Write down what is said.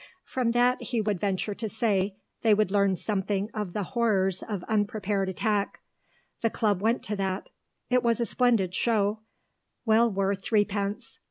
From that he would venture to say they would learn something of the horrors of unprepared attack. The Club went to that. It was a splendid show, well worth threepence.